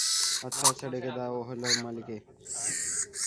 আচ্ছা, আচ্ছা, ডেকে দাও হলা মালীকে।